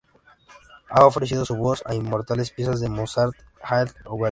Ha ofrecido su voz a inmortales piezas de Mozart, Haendel o Verdi.